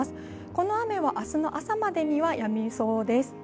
この雨は明日の朝までにはやみそうです。